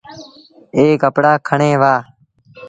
اي ڪپڙآ کڻي وهآ۔